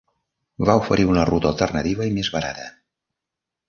Va oferir una ruta alternativa i més barata.